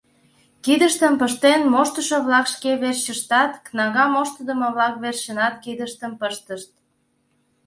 Кидыштым пыштен моштышо-влак шке верчыштат, кнага моштыдымо-влак верчынат кидыштым пыштышт...